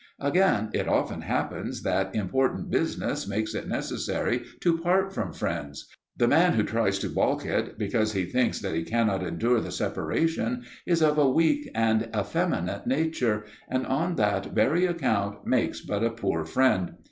Again, it often happens that important business makes it necessary to part from friends: the man who tries to baulk it, because he thinks that he cannot endure the separation, is of a weak and effeminate nature, and on that very account makes but a poor friend.